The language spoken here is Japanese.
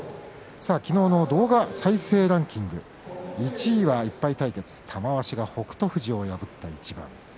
昨日の動画再生ランキング１位は１敗対決玉鷲が北勝富士を破った一番。